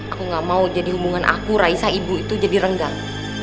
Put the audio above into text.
aku gak mau jadi hubungan aku raisa ibu itu jadi renggang